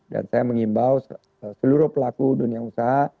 dan saya mengimbau seluruh pelaku dunia usaha